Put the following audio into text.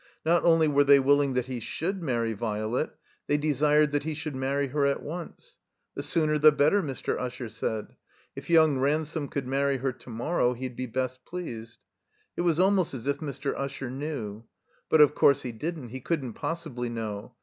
Not only were they willing that he should marry Violet, they desired that he should marry her at once. The sooner the better, Mr. Usher said. If young Ransome could marry her to morrow he'd be best pleased. It was almost as if Mr. Usher knew. But, of course, he didn't, he couldn't possibly know.